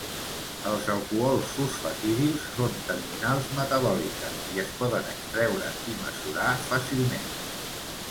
Els alcohols fosfatidils són terminals metabòliques, i es poden extreure i mesurar fàcilment.